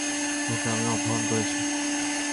ওকে আমি অপহরণ করেছি।